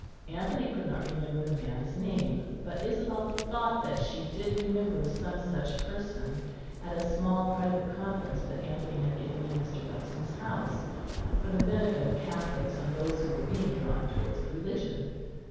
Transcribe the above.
Anthony could not remember the man's name, but Isabel thought that she did remember some such person at a small private conference that Anthony had given in Mr. Buxton's house, for the benefit of Catholics and those who were being drawn towards the Religion.